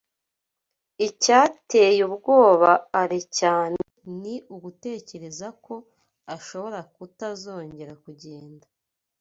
Icyateye ubwoba Alain cyane ni ugutekereza ko ashobora kutazongera kugenda.